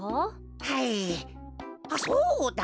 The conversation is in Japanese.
はいあっそうだ！